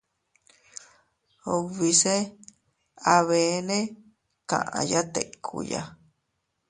Ubise abeene kaʼaya tikkuya.